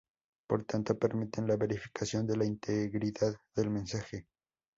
Por tanto permiten la verificación de la integridad del mensaje.